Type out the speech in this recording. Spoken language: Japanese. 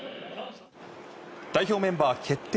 代表メンバー決定